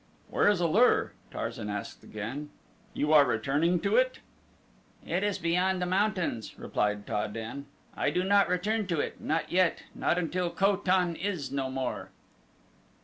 "Where is A lur?" Tarzan asked again. "You are returning to it?" "It is beyond the mountains," replied Ta den. "I do not return to it not yet. Not until Ko tan is no more."